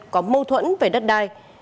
có mâu thuẫn về đất đai